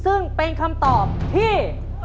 ซึ่งเป็นคำตอบที่